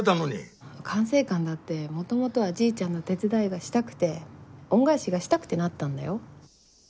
管制官だって元々はじいちゃんの手伝いがしたくて恩返しがしたくてなったんだよ。